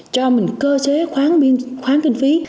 cho mình cơ chế khoáng kinh phí